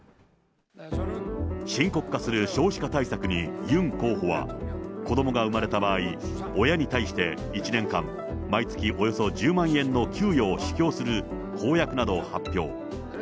深刻化する少子化対策にユン候補は、子どもが産まれた場合、親に対して１年間、毎月およそ１０万円の給与を支給する公約などを発表。